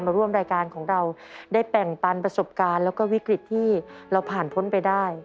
มาร่วมรายการของเราได้แบ่งปันประสบการณ์แล้วก็วิกฤตที่เราผ่านพ้นไปได้